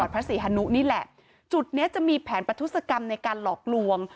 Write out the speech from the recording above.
พระศรีฮานุนี่แหละจุดนี้จะมีแผนประทุศกรรมในการหลอกลวง